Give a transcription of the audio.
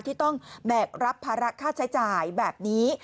ที่ต้องแบกรับภาระค่าใช้จ่ายแบบนี้